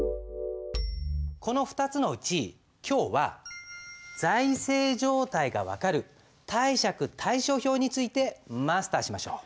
この２つのうち今日は財政状態が分かる貸借対照表についてマスターしましょう。